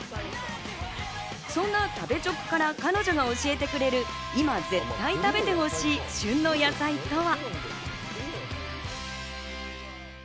そんな食べチョクから彼女が教えてくれる今、絶対食べてほしい旬の野菜とは？